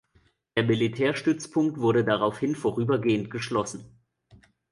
Der Militärstützpunkt wurde daraufhin vorübergehend geschlossen.